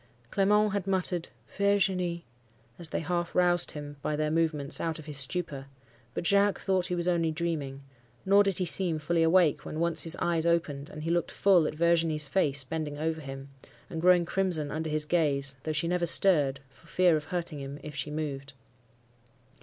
Clement had muttered 'Virginie,' as they half roused him by their movements out of his stupor; but Jacques thought he was only dreaming; nor did he seem fully awake when once his eyes opened, and he looked full at Virginie's face bending over him, and growing crimson under his gaze, though she never stirred, for fear of hurting him if she moved.